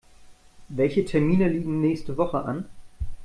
Welche Termine liegen nächste Woche an?